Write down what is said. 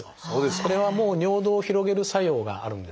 これはもう尿道を広げる作用があるんですね。